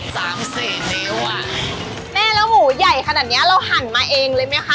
สามสี่นิ้วอ่ะแม่แล้วหมูใหญ่ขนาดเนี้ยเราหั่นมาเองเลยไหมคะ